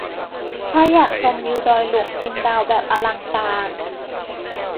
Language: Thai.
ถ้าอยากชมวิวดอยหลวงเชียงดาวแบบอลังการ